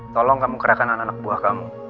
tolong kamu kerahkan anak buah kamu